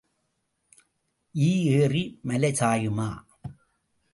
ஈ ஏறி மலை சாயுமா?